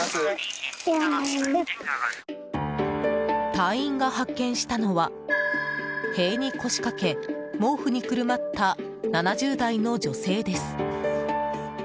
隊員が発見したのは塀に腰かけ毛布にくるまった７０代の女性です。